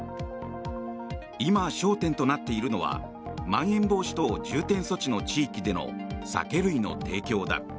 今、焦点となっているのはまん延防止等重点措置の地域での酒類の提供だ。